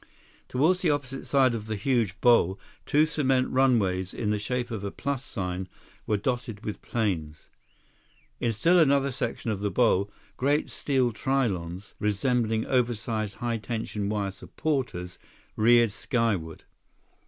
Toward the opposite side of the huge bowl, two cement runways in the shape of a plus sign were dotted with planes. In still another section of the bowl, great steel trylons, resembling oversized high tension wire supporters, reared skyward.